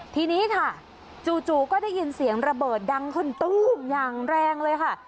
ทีนี้ค่ะจู่ก็ได้ยินเสียงระเบิดดังขึ้นตู้มอย่างแรงเลยค่ะ